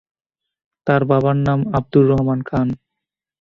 তাঁর বাবার নাম আবদুর রহমান খান।